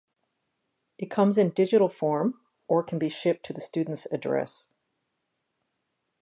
It comes in digital form or can be shipped to the student's address.